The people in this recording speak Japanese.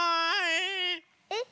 えっ？